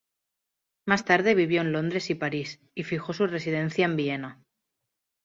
Más tarde vivió en Londres y París y fijó su residencia en Viena.